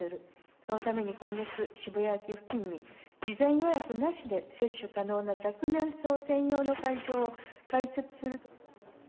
そのために今月、渋谷駅付近に、事前予約なしで接種可能な若年層専用の会場を開設する。